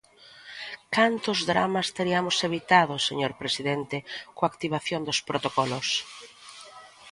¡Cantos dramas teriamos evitado, señor presidente, coa activación dos protocolos!